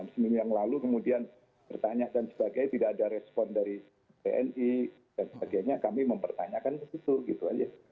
seminggu yang lalu kemudian bertanya dan sebagainya tidak ada respon dari tni dan sebagainya kami mempertanyakan ke situ gitu aja